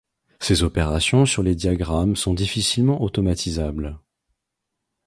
Ces opérations sur les diagrammes sont difficilement automatisables.